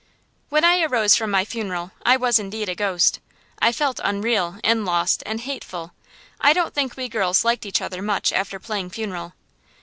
When I arose from my funeral I was indeed a ghost. I felt unreal and lost and hateful. I don't think we girls liked each other much after playing funeral.